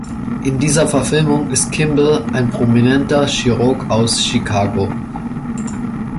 In dieser Verfilmung ist Kimble ein prominenter Chirurg aus Chicago.